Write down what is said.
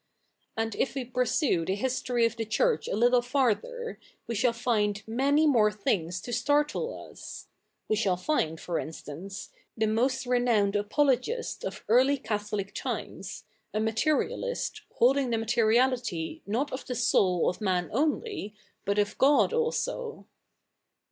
And if we pursue the history of the Church a little farther, we shall find 77ia7iy 77iore thi7igs to startle us. We shall fi7id, for insta7ice, the 77iost re7iow7ied apologist of early Catholic ti77ies, a 77iaterialist, holdifig the 7nateriality 7iot of the soul of ma7i only, but of God also.